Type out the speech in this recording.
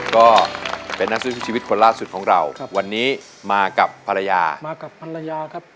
ก็เป็นนักสู้ชีวิตคนล่าสุดของเราครับวันนี้มากับภรรยามากับภรรยาครับ